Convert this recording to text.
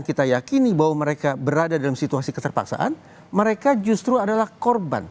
kita yakini bahwa mereka berada dalam situasi keterpaksaan mereka justru adalah korban